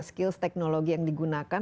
skills teknologi yang digunakan